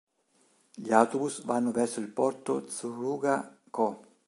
Gli Autobus vanno verso il porto Tsuruga-kō